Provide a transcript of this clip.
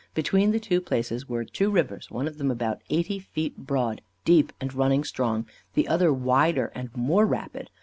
Between the two places were two rivers, one of them about eighty feet broad, deep, and running strong; the other wider and more rapid.